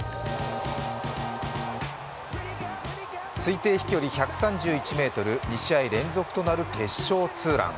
推定飛距離１３１ｍ、２試合連続となる決勝ツーラン。